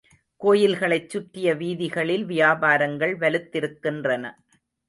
கோயில்களைச் சுற்றிய வீதிகளில் வியாபாரங்கள் வலுத்திருக்கின்றன.